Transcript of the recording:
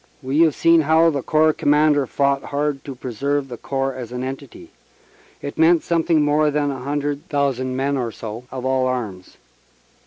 We have seen how the Corps Commander fought hard to preserve the Corps as an entity. It meant something more than a hundred thousand men or so of all arms.